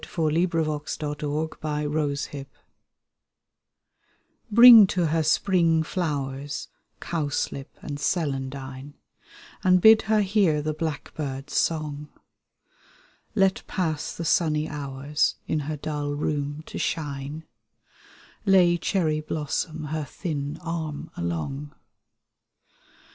THE SAD TEARS TO BID HER LIVE BRING to her spring flowers, Cowslip and celandine, And bid her hear the blackbird's song. Let pass the sunny hours In her dull room to shine, Lay cherry blossom her thin arm along.